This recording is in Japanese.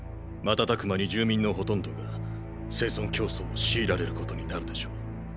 瞬く間に住民のほとんどが生存競争を強いられることになるでしょう。